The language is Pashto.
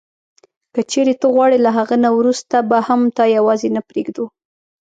که چیري ته غواړې له هغه نه وروسته به هم تا یوازي نه پرېږدو.